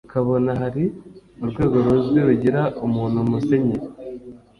ukabona hari urwego ruzwi rugira umuntu Musenyeri